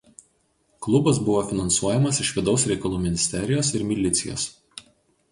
Klubas buvo finansuojamas iš vidaus reikalų ministerijos ir milicijos.